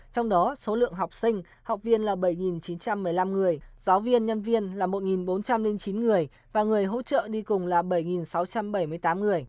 trong đó số lượng học sinh học viên là bảy chín trăm một mươi năm người giáo viên nhân viên là một bốn trăm linh chín người và người hỗ trợ đi cùng là bảy sáu trăm bảy mươi tám người